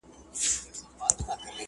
هر یوه چي مي په مخ کي پورته سر کړ؛